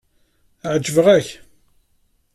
Ɛejbeɣ-ak.